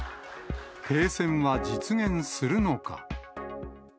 停戦は実現するのか。